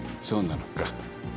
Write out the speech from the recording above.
そうなのか。